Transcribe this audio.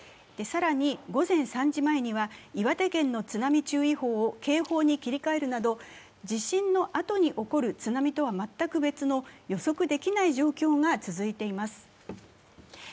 更に午前３時前には岩手県の津波注意報を警報に切り替えるなど、地震のあとに起こる津波とは全く別の予測できない状況が続いています。